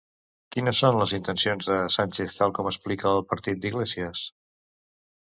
Quines són les intencions de Sánchez, tal com explica el partit d'Iglesias?